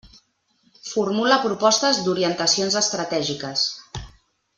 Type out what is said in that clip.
Formula propostes d'orientacions estratègiques.